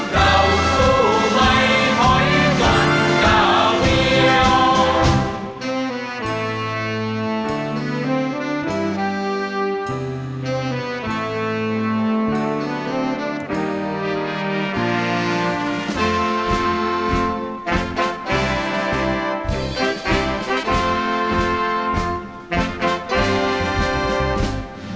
เราสู้ไว้หอยก่อนกาวเดียว